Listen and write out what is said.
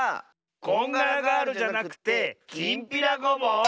こんがらガールじゃなくてきんぴらごぼう！